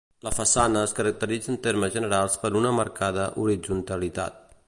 La façana es caracteritza en termes generals per una marcada horitzontalitat.